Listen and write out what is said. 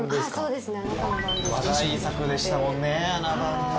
話題作でしたもんね『あな番』ね。